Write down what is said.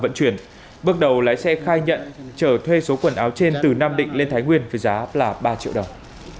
vận chuyển bước đầu lái xe khai nhận trở thuê số quần áo trên từ nam định lên thái nguyên với giá là ba triệu đồng